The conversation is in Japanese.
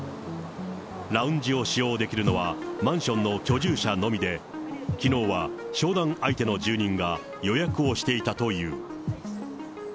ラウンジを使用できるのは、マンションの居住者のみで、きのうは商談相手の住人が予約をしていたという。